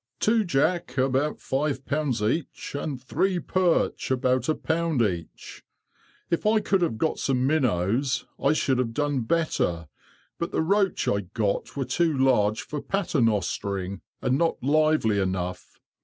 "Two jack, about five pounds each, and three perch, about a pound each. If I could have got some minnows I should have done better, but the roach I got were too large for paternostering, and not lively enough.